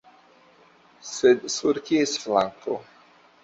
Sed sur kies flanko?